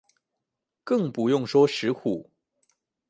更不用說石虎